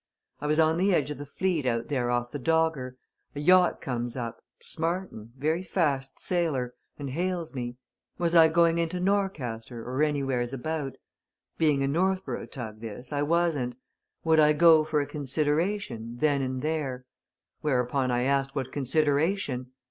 I was on the edge o' the fleet, out there off the Dogger. A yacht comes up smart 'un very fast sailer and hails me. Was I going into Norcaster or anywheres about? Being a Northborough tug, this, I wasn't. Would I go for a consideration then and there? Whereupon I asked what consideration?